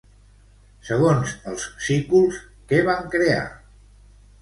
Segons els sículs, què van crear?